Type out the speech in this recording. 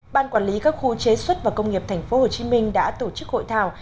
ban quản lý các khu chế xuất và công nghiệp tp hcm đã tổ chức hội thảo